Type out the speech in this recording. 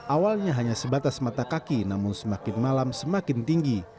awalnya hanya sebatas mata kaki namun semakin malam semakin tinggi